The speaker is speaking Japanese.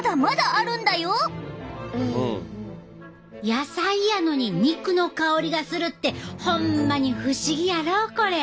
野菜やのに肉の香りがするってホンマに不思議やろこれ！